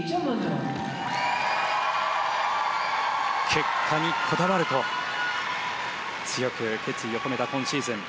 結果にこだわると強く決意を込めた今シーズン。